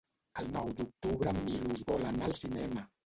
El nou d'octubre en Milos vol anar al cinema.